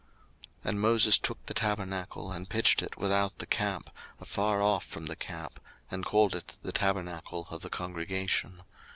02:033:007 And Moses took the tabernacle, and pitched it without the camp, afar off from the camp, and called it the Tabernacle of the congregation.